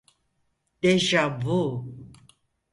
Deja vu.